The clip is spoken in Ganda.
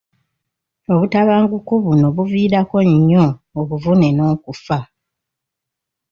Obutabanguko buno buviirako nnyo obuvune n'okufa.